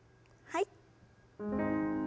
はい。